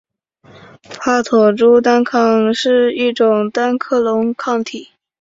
帕妥珠单抗是一种单克隆抗体。